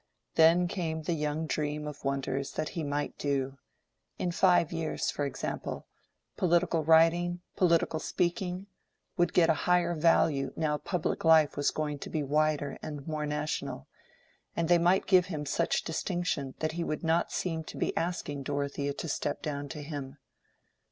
Then came the young dream of wonders that he might do—in five years, for example: political writing, political speaking, would get a higher value now public life was going to be wider and more national, and they might give him such distinction that he would not seem to be asking Dorothea to step down to him.